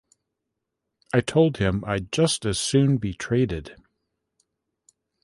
I told him I'd just as soon be traded.